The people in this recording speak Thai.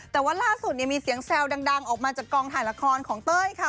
แต่ว่าล่าสุดมีเสียงแซวดังออกมาจากกองถ่ายละครของเต้ยค่ะ